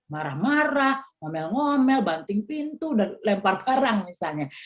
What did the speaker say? marah marah ngomel ngomel banting pintu dan lempar kerang misalnya